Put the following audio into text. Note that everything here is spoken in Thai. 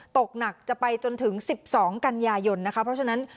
ตกหนักจะไปจนถึง๑๒กันยายนนะคะเพราะฉะนั้น